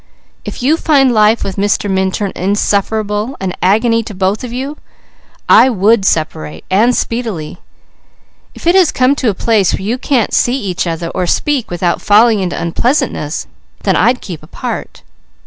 If you find life with Mr. Minturn insufferable, an agony to both of you, I would separate, and speedily. If it has come to the place where you can't see each other or speak without falling into unpleasantness, then I'd keep apart."